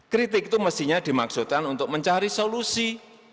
kritik itu mestinya dimaksudkan untuk mencari solusi